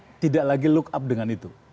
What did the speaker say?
mereka tidak lagi look up dengan itu